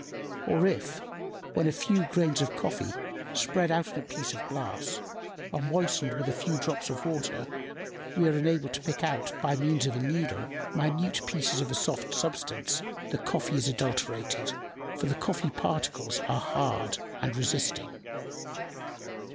Or if, when a few grains of coffee, spread out on a piece of glass, are moistened with a few drops of water, we are enabled to pick out, by means of a needle, minute pieces of a soft substance, the coffee is adulterated, for the coffee particles are hard and resisting."